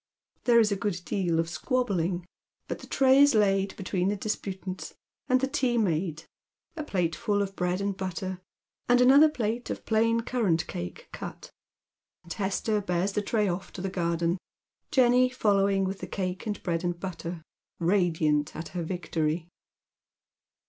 There is a good deal of squabbling, but the tray is laid between the disputants, the tea made, a plateful of bread and butter, and another plate of plain currant cake cut, and Hester bears the tray off to the garden, Jenny following with the cake and bread and butter, radiant at her victory.